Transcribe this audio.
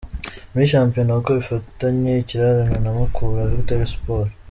muri shampiyona kuko ifitanye ikirarane na Mukura Victory Sport.